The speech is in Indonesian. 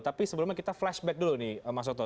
tapi sebelumnya kita flashback dulu nih mas soto